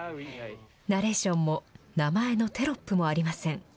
ナレーションも、名前のテロップもありません。